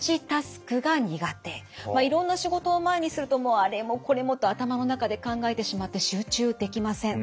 いろんな仕事を前にするとあれもこれもと頭の中で考えてしまって集中できません。